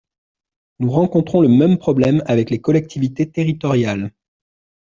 Nous rencontrons le même problème avec les collectivités territoriales.